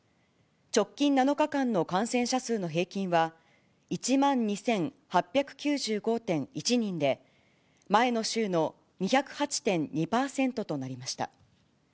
直近７日間の感染者数の平均は、１万２８９５．１人で、前の週の２０８．２％となりました。